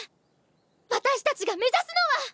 私たちが目指すのは！